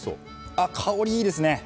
あっ香りいいですね。